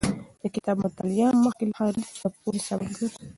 د کتاب مطالعه مخکې له خرید د پوهې سبب ګرځي.